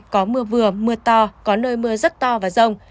có mưa vừa mưa to có nơi mưa rất to và rông